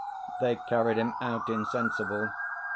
They carried him out insensible.